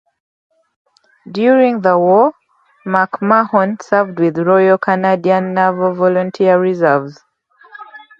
During the war, McMahon served with Royal Canadian Naval Volunteer Reserves.